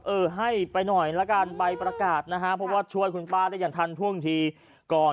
โอ้โหโอ้โหโอ้โหโอ้โหโอ้โห